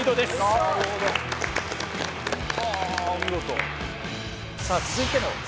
はあお見事。